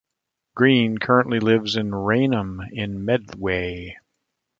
Greene currently lives in Rainham in Medway.